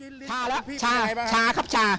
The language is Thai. นี่ลิ้นครับ